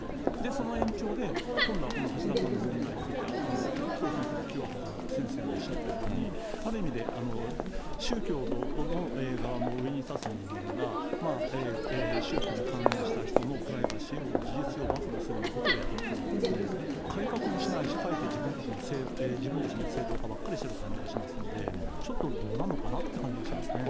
その延長で、今度はこの橋田さんの問題について、紀藤先生も清原先生もおっしゃったように、ある意味で、宗教の側の上に立つ人間が、宗教に関連した人のプライバシーを事実上暴露するようなことをやるというのは、改革もしないし、かえって自分たちの正当化ばっかりしてる感じがしますので、ちょっとどうなのかなって感じがしますね。